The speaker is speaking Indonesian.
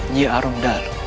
nyi arun dal